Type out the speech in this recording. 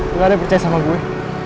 gak ada yang percaya sama gue